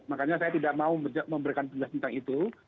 makanya saya tidak mau memberikan penjelasan tentang itu